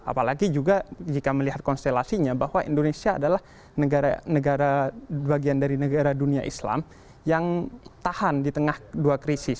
apalagi juga jika melihat konstelasinya bahwa indonesia adalah negara bagian dari negara dunia islam yang tahan di tengah dua krisis